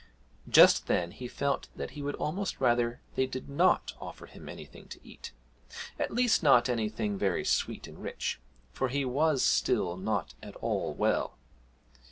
Just then he felt that he would almost rather they did not offer him anything to eat at least not anything very sweet and rich, for he was still not at all well.